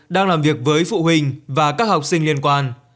đang làm việc với phụ huynh và các học sinh liên quan